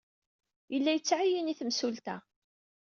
Yella yettɛeyyin i temsulta.